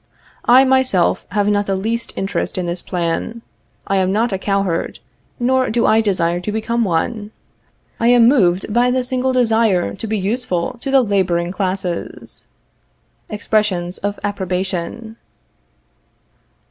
I, myself, have not the least interest in this plan. I am not a cowherd, nor do I desire to become one. I am moved by the single desire to be useful to the laboring classes. [Expressions of approbation.